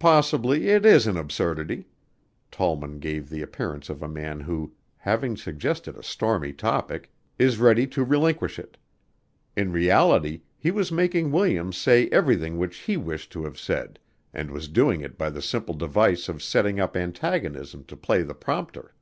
"Possibly it is an absurdity." Tollman gave the appearance of a man who, having suggested a stormy topic, is ready to relinquish it. In reality he was making Williams say everything which he wished to have said and was doing it by the simple device of setting up antagonism to play the prompter.